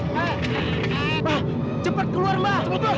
mbah cepat keluar